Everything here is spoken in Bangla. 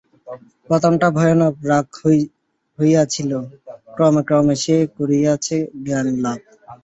প্রথমটা ভয়ানক রাগ হইয়াছিল, ক্রমে ক্রমে সে করিয়াছে জ্ঞানলাভ।